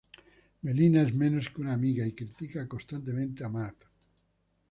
Melina es menos que una amiga, y critica constantemente a Matt.